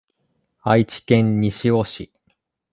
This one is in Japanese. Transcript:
愛知県西尾市